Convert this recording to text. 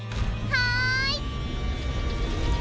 はい！